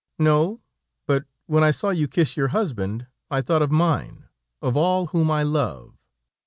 "'No, but when I saw you kiss your husband, I thought of mine, of all whom I love."